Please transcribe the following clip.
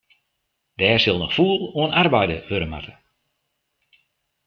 Dêr sil noch fûl oan arbeide wurde moatte.